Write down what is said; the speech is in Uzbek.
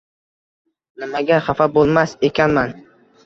Nimaga xafa bo‘lmas ekanman?